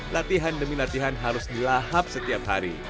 latihan demi latihan harus dilahap setiap hari